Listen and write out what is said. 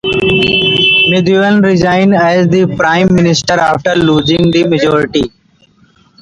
Muhyiddin resigned as the Prime Minister after losing the majority.